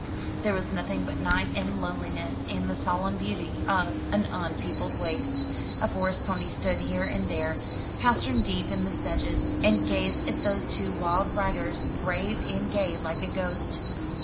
There was nothing but night and loneliness and the solemn beauty of an unpeopled waste. A forest pony stood here and there pastern deep in the sedges and gazed at those two wild riders, grave and gay, like a ghost.